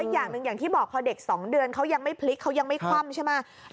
อย่างที่บอกพอเด็ก๒เดือนเขายังไม่พลิกเขายังไม่คว่ำ